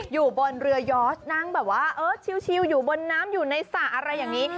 อยู่บนเรือยอสนั่งแบบว่าเออชิลอยู่บนน้ำอยู่ในสระอะไรอย่างนี้